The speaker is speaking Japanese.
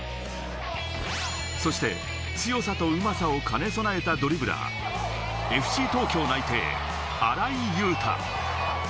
そして強さとうまさを兼ね備えたドリブラー、ＦＣ東京内定、荒井悠汰。